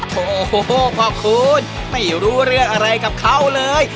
โธ้โฮพระครูไม่รู้เลือกอะไรกับเขาเลย